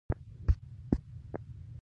قلم د انسان ښه ملګری دی